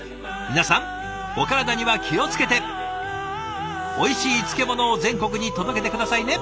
皆さんお体には気を付けておいしい漬物を全国に届けて下さいね。